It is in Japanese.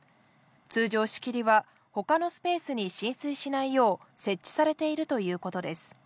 通常、仕切りは、ほかスペースに浸水しないよう設置されているということです。